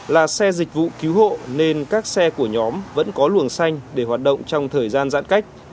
là xe dịch vụ cứu hộ nên các xe của nhóm vẫn có luồng xanh để hoạt động trong thời gian giãn cách